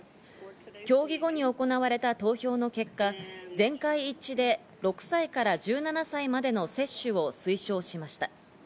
協議後に行われた投票の結果、全会一致で６歳から１７歳までの接種を推奨しました。